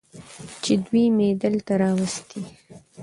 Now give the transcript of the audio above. چې دوي مې دلته راوستي.